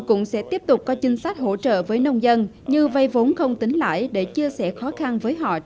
kcb sẽ tiếp tục làm việc với ủy ban nhân dân tỉnh phú yên và huyện sơn hòa